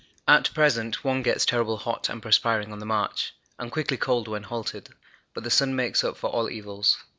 At present one gets terrible hot and perspiring on the march, and quickly cold when halted, but the sun makes up for all evils.